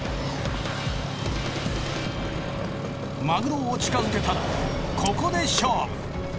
マグロを近づけたらここで勝負！